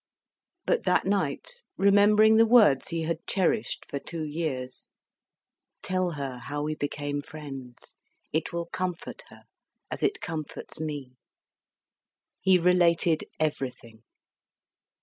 But that night, remembering the words he had cherished for two years, "Tell her how we became friends. It will comfort her, as it comforts me," he related everything.